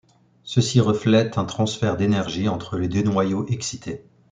Ceci reflète un transfert d'énergie entre les deux noyaux excités.